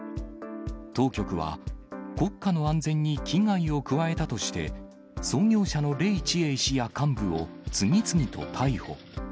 当局は、国家の安全に危害を加えたとして、創業者の黎智英氏や幹部を次々と逮捕。